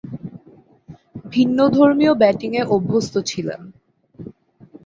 ভিন্নধর্মীয় ব্যাটিংয়ে অভ্যস্ত ছিলেন।